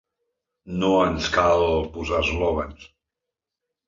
No ens cal posar eslògans.